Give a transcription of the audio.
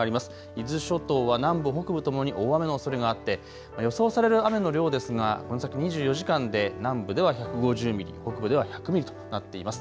伊豆諸島は南部北部ともに大雨のおそれがあって予想される雨の量ですが、この先２４時間で南部では１５０ミリ、北部で１００ミリとなっています。